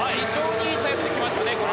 いいタイムでしたね。